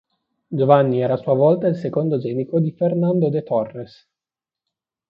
Giovanni era a sua volta il secondogenito di Fernando de Torres.